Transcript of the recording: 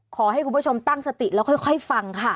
ขอให้คุณผู้ชมตั้งสติแล้วค่อยฟังค่ะ